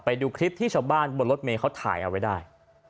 ไปดูคลิปที่ชาวบ้านบนรถเมย์เขาถ่ายเอาไว้ได้